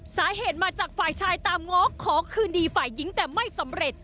สาเหตุมาจากฝ่ายชายตามง้อขอคืนดีฝ่ายหญิงแต่ไม่สำเร็จ